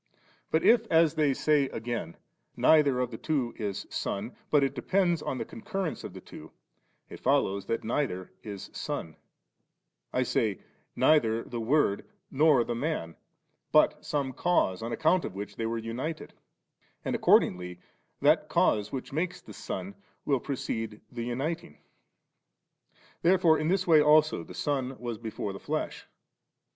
But i^ as they say again, neither of tiie two is Son, but it depends on the concurrence of the two, it follows that neither is Son ; I say, neither the Word nor the Man, but some cause, on account of which they were united ; and ac cordingly that cause which makes the Son will precede the uniting. Therefore in this way also the Son was before the flesh.